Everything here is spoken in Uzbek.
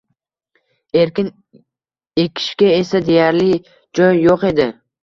Ekin ekishga esa deyarli joy yoʻq edi.